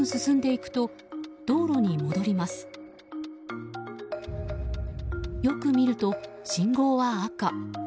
よく見ると、信号は赤。